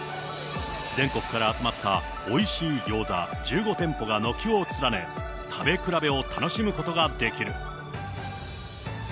全国から集まったおいしいギョーザ１５店舗が軒を連ね、食べ比べを楽しむことができる。